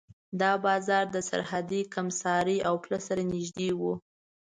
دا بازار د سرحدي کمېسارۍ او پله سره نږدې و.